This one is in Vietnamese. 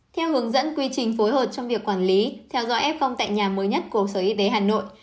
theo hướng dẫn quy trình phối hợp trong việc quản lý theo dõi f tại nhà mới nhất của sở y tế hà nội